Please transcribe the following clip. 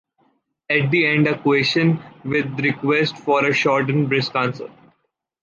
At the end a question with the request for a short and brisk answer.